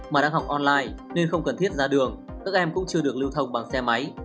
mà đang học online nên không cần thiết ra đường các em cũng chưa được lưu thông bằng xe máy